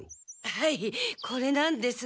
はいこれなんですが。